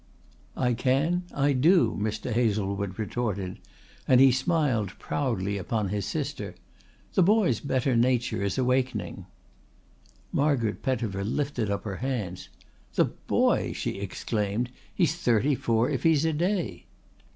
"I can. I do," Mr. Hazlewood retorted and he smiled proudly upon his sister. "The boy's better nature is awakening." Margaret Pettifer lifted up her hands. "The boy!" she exclaimed. "He's thirty four if he's a day."